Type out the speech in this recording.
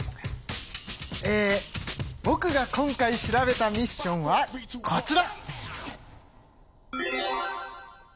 えぼくが今回調べたミッションはこちら！